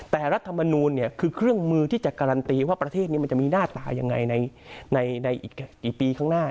แต่รัฐมนูลคือเครื่องมือที่จะการันตีว่าประเทศนี้มันจะมีหน้าตายังไงในอีกกี่ปีข้างหน้า